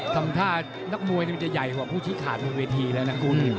ทำท่านักมวยมันจะใหญ่กว่าผู้ชี้ขาดบนเวทีแล้วนะคุณ